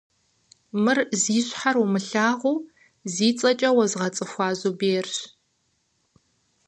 Мыр зи щхьэр умылъагъуу зи цӏэкӏэ уэзгъэцӏыхуа Зуберщ.